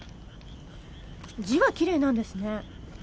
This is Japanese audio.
字はきれいなんですね。